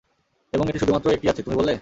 এবং এটি শুধুমাত্র একটি আছে, তুমি বললে?